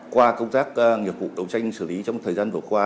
qua công tác nghiệp vụ đấu tranh xử lý trong thời gian vừa qua